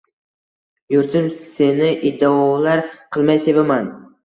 Yurtim, seni iddaolar qilmay sevaman